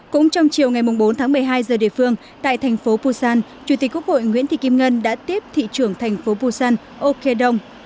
cũng trong chiều ngày bốn tháng một mươi hai giờ địa phương tại thành phố busan chủ tịch quốc hội nguyễn thị kim ngân đã tiếp thị trưởng thành phố busan ô khe đông